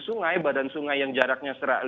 sungai badan sungai yang jaraknya